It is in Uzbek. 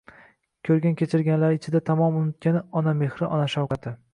Ko'rgankechirganlari ichida tamoman unutgani — ona mehri, ona shafqati.